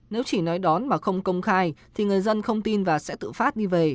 nếu chỉ nói đón mà không công khai thì người dân không tin và sẽ tự phát đi về